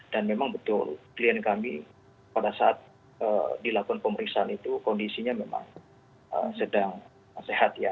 dan memang betul klien kami pada saat dilakukan pemeriksaan itu kondisinya memang sedang sehat ya